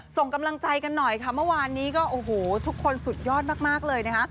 ส่งกำลังใจกันหน่อยค่ะเมื่อวานนี้ก็โอ้โหทุกคนสุดยอดมากเลยนะคะ